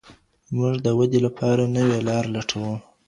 موږ د ودي لپاره نوي لاري لټوو.